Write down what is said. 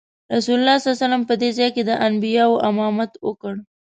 رسول الله صلی الله علیه وسلم په دې ځای کې د انبیاوو امامت وکړ.